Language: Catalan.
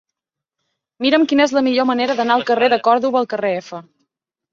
Mira'm quina és la millor manera d'anar del carrer de Còrdova al carrer F.